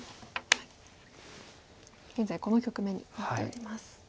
現在この局面になっております。